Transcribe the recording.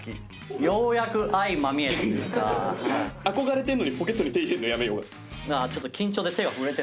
憧れてんのにポケットに手入れんのやめよう。